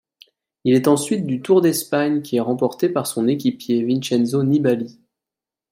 Il est ensuite du Tour d'Espagne qui est remporté par son équipier Vincenzo Nibali.